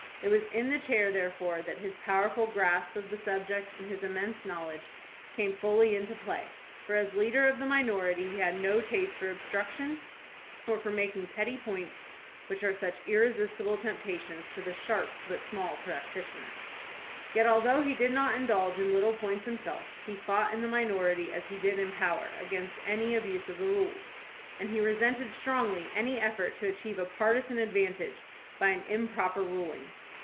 It was in the chair THOMAS BRACKETT REED 197 therefore that his powerful grasp of the subject and his immense knowledge came fully into play, for as leader of the minority he had no taste for obstruction or for making petty points which are such irresistible temp tations to the sharp but small practitioner. Yet al though he did not indulge in little points himseK, he fought in the minority as he did in power against any abuse of the rules, and he resented strongly any effort to achieve a partisan advantage by an improper ruling.